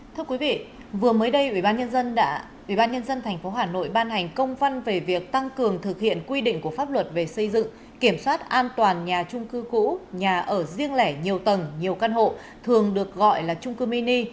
thưa quý vị vừa mới đây ubnd tp hà nội ban hành công văn về việc tăng cường thực hiện quy định của pháp luật về xây dựng kiểm soát an toàn nhà trung cư cũ nhà ở riêng lẻ nhiều tầng nhiều căn hộ thường được gọi là trung cư mini